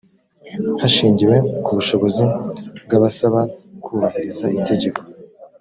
hashingiwe ku bushobozi bw abasaba kubahiriza itegeko